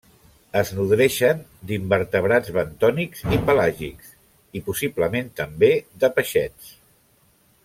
Es nodreixen d'invertebrats bentònics i pelàgics i, possiblement també, de peixets.